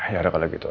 ya kalau gitu